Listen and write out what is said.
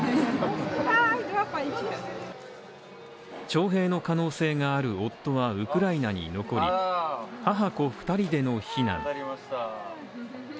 徴兵の可能性がある夫はウクライナに残り、母子２人での避難。